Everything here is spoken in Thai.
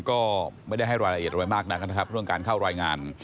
ก็ไม่ได้ให้รายละเอียดอะไรมากนักนะครับเรื่องการเข้ารายงาน